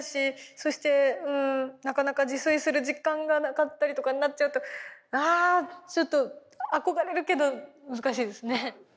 うんなかなか自炊する時間がなかったりとかになっちゃうとあちょっと憧れるけど難しいですね。